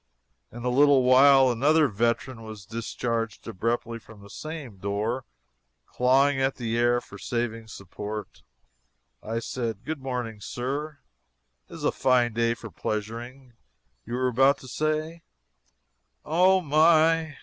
In a little while another veteran was discharged abruptly from the same door, clawing at the air for a saving support. I said: "Good morning, Sir. It is a fine day for pleasuring. You were about to say " "Oh, my!"